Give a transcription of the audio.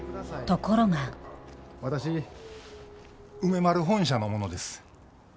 ところが私梅丸本社の者です。